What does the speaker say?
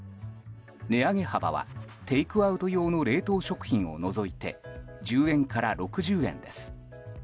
値上げ幅は、テイクアウト用の冷凍食品を除いて１０円から６０円です。